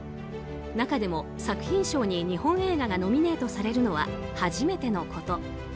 中でも、作品賞に日本映画がノミネートされるのは初めてのこと。